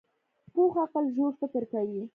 پوخ عقل ژور فکر کوي